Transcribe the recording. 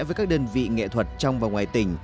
với các đơn vị nghệ thuật trong và ngoài tỉnh